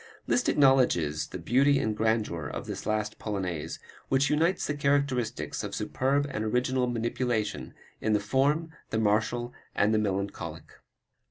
Liszt acknowledges the beauty and grandeur of this last Polonaise, which unites the characteristics of superb and original manipulation of the form, the martial and the melancholic.